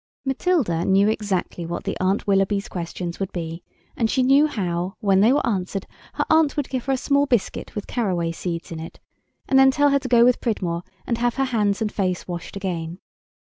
Matilda knew exactly what the Aunt Willoughby's questions would be, and she knew how, when they were answered, her aunt would give her a small biscuit with carraway seeds in it, and then tell her to go with Pridmore and have her hands and face washed again.